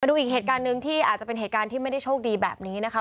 ดูอีกเหตุการณ์หนึ่งที่อาจจะเป็นเหตุการณ์ที่ไม่ได้โชคดีแบบนี้นะคะ